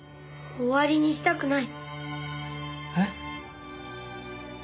終わりにしたくない！